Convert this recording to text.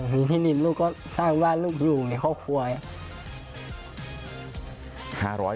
ในที่นินลูกก็สร้างบ้านลูกบลูกในครอบครัว